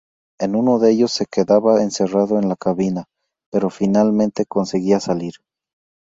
En uno de ellos se quedaba encerrado en la cabina, pero finalmente conseguía salir.